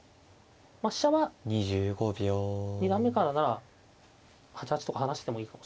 まあ飛車は二段目からなら８八とか離してもいいかもしれませんけど。